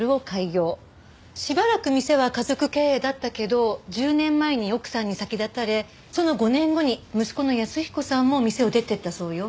しばらく店は家族経営だったけど１０年前に奥さんに先立たれその５年後に息子の安彦さんも店を出て行ったそうよ。